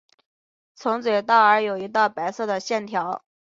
从嘴到耳有一道白色的线条。